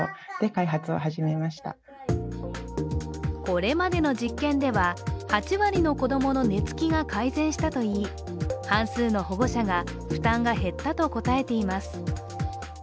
これまでの実験では８割の子供の寝付きが改善したといい半数の保護者が負担が減ったと答えています。